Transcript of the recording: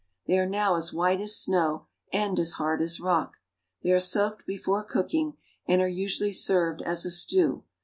They are now as white as snow and as hard as rock. They are soaked before cooking, and are usually served as ^ stew.